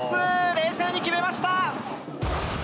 冷静に決めました！